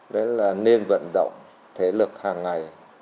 đó là nên vận động thể lực hàng ngày